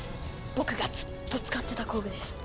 僕がずっと使ってた工具です。